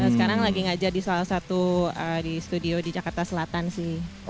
sekarang lagi ngajar di salah satu di studio di jakarta selatan sih